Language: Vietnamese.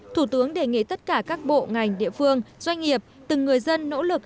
thủ tướng đề nghị tất cả các bộ ngành địa phương doanh nghiệp từng người dân nỗ lực